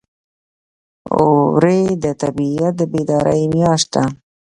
وری د طبیعت د بیدارۍ میاشت ده.